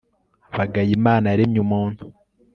bagaya imana yaremye umuntu